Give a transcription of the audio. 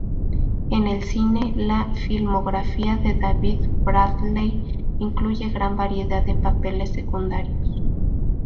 En el cine, la filmografía de David Bradley incluye gran variedad de papeles secundarios.